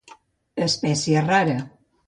Espècie rara.